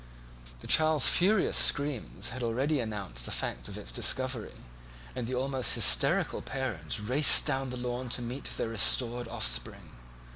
The child's furious screams had already announced the fact of its discovery, and the almost hysterical parents raced down the lawn to meet their restored offspring.